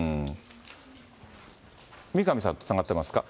三上さんとつながってますか。